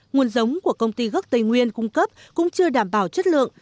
nguồn giống của công ty gốc tây nguyên cung cấp cũng chưa đảm bảo chất lượng